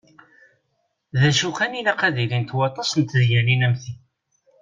D acu kan ilaq ad ilint waṭas n tedyanin am ti.